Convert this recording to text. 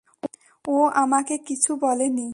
ও আমাকে কিছু বলেনি।